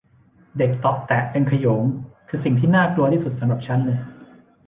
เด็กเตาะแตะเป็นขโยงคือสิ่งที่น่ากลัวที่สุดสำหรับฉันเลย